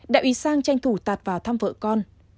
đại úy sang tranh thủ tạt vào thăm vợ con